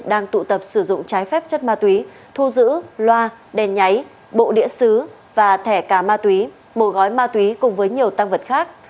đang tụ tập sử dụng trái phép chất ma túy thu giữ loa đèn nháy bộ đĩa xứ và thẻ cà ma túy một gói ma túy cùng với nhiều tăng vật khác